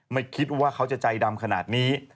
ไม่คิดว่าเขาจะใจดำขนาดนี้